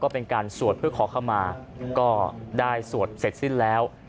เป็นการสวดเพื่อขอเข้ามาก็ได้สวดเสร็จสิ้นแล้ว